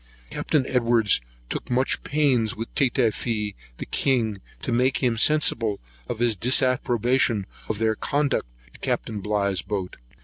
Captain Edwards took much pains with Tatafee, the king, to make him sensible of his disapprobation of their conduct to Capt. Bligh's boat.